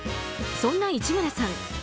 そんな市村さん